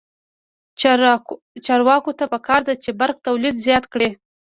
چارواکو ته پکار ده چې، برق تولید زیات کړي.